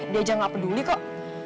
dia aja gak peduli kok